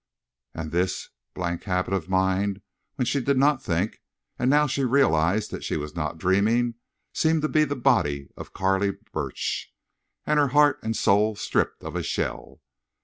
And this blank habit of mind, when she did not think, and now realized that she was not dreaming, seemed to be the body of Carley Burch, and her heart and soul stripped of a shell.